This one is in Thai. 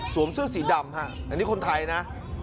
เสื้อสีดำฮะอันนี้คนไทยนะ